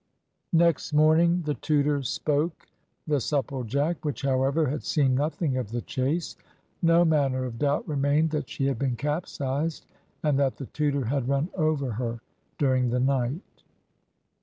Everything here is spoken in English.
Next morning the Tudor spoke the Supplejack, which, however, had seen nothing of the chase. No manner of doubt remained that she had been capsized, and that the Tudor had run over her during the night.